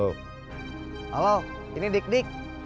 halo ini dik dik